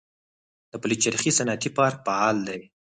د پلچرخي صنعتي پارک فعال دی